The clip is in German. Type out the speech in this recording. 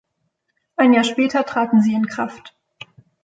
Ein Jahr später traten sie in Kraft.